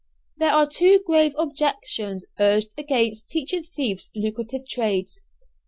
There are two grave objections urged against teaching thieves lucrative trades.